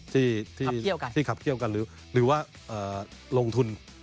ที่ขับเคี่ยวกันหรือว่าลงทุน